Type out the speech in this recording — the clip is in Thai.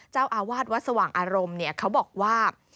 เจ้าอาวาสวัดสว่างอารมณ์เขาบอกว่า